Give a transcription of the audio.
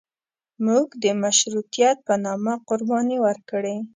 موږ د مشروطیت په نامه قرباني ورکړې.